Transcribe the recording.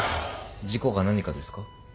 事故か何かですか？